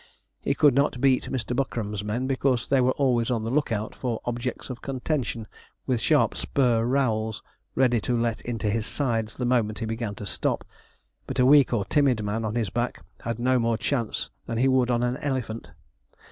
He could not beat Mr. Buckram's men, because they were always on the look out for objects of contention with sharp spur rowels, ready to let into his sides the moment he began to stop; but a weak or a timid man on his back had no more chance than he would on an elephant.